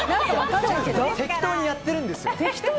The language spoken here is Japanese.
適当にやってるんですよね。